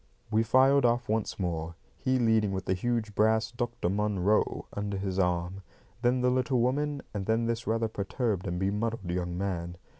We filed off once more, he leading with the huge brass "Dr. Munro" under his arm; then the little woman, and then this rather perturbed and bemuddled young man.